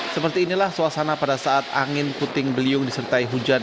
seperti inilah suasana pada saat angin puting beliung disertai hujan